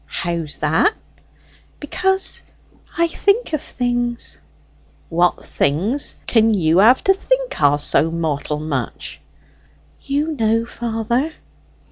"How's that?" "Because I think of things." "What things can you have to think o' so mortal much?" "You know, father."